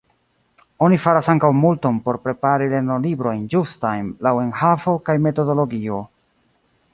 Oni faras ankaŭ multon por prepari lernolibrojn ĝustajn laŭ enhavo kaj metodologio.